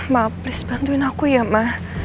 ma please bantuin aku ya ma